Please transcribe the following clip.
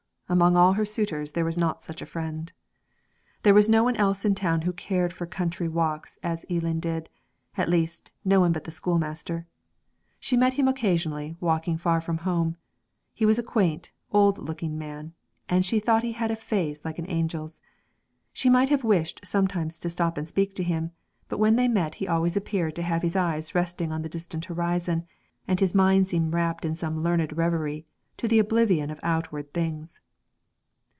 among all her suitors there was not such a friend. There was no one else in the town who cared for country walks as Eelan did at least, no one but the schoolmaster. She met him occasionally, walking far from home; he was a quaint, old looking man, and she thought he had a face like an angel's. She might have wished sometimes to stop and speak to him, but when they met he always appeared to have his eyes resting on the distant horizon, and his mind seemed wrapped in some learned reverie, to the oblivion of outward things.